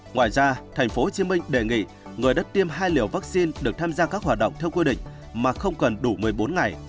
ngoài ra thành phố hồ chí minh đề nghị người đất tiêm hai liều vaccine được tham gia các hoạt động theo quy định mà không cần đủ một mươi bốn ngày